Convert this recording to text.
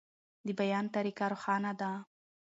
د بیان طریقه روښانه ده.